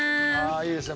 いいですね。